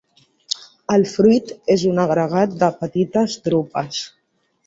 El fruit és un agregat de petites drupes.